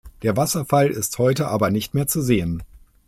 Der Wasserfall ist heute aber nicht mehr zu sehen.